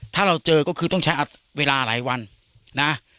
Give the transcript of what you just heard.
ถ้าเราเจอก็คือต้องใช้เวลาหลายวันนะ